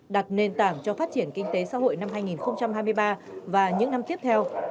đặt nền tảng cho phát triển kinh tế xã hội năm hai nghìn hai mươi ba và những năm tiếp theo